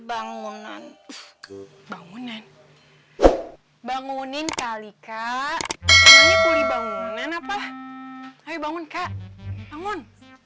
bangunan bangunan bangunin kali kak ini pulih bangunan apa ayo bangun kak bangun